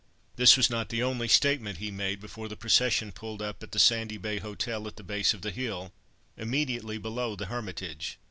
This was not the only statement he made before the procession pulled up at the Sandy Bay Hotel, at the base of the hill immediately below the Hermitage.